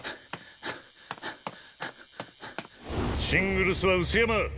シングルスは碓山。